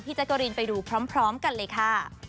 แจ๊กกะรีนไปดูพร้อมกันเลยค่ะ